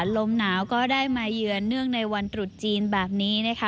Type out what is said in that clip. ลมหนาวก็ได้มาเยือนเนื่องในวันตรุษจีนแบบนี้นะคะ